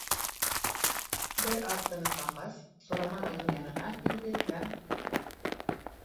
Бер аҙ тынысланғас, Сураман уның янына килде һәм: